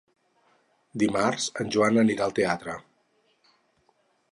Dimarts en Joan anirà al teatre.